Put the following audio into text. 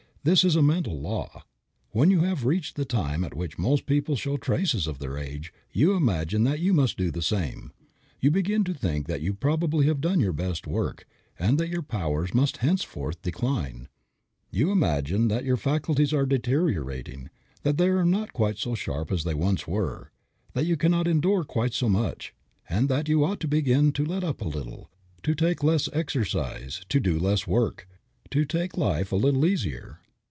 This is a mental law. When you have reached the time at which most people show traces of their age you imagine that you must do the same. You begin to think you have probably done your best work, and that your powers must henceforth decline. You imagine your faculties are deteriorating, that they are not quite so sharp as they once were; that you cannot endure quite so much, and that you ought to begin to let up a little; to take less exercise, to do less work, to take life a little easier.